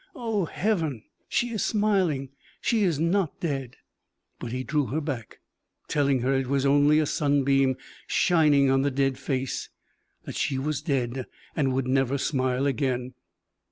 Oh, Heaven, she is smiling! She is not dead!" But he drew her back, telling her it was only a sunbeam shining on the dead face that she was dead, and would never smile again.